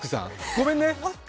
ごめんね。